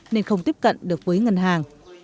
nên không tiếp cận được với ngân hàng